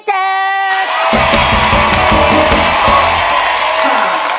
ต้า